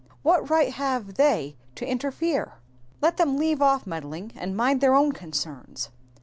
What right have they to inter fere ? Let them leave off meddling and miiid their own concerns.